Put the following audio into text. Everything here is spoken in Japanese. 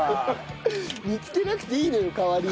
見つけなくていいのに代わりを。